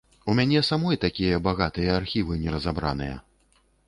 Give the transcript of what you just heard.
У мяне самой такія багатыя архівы неразабраныя.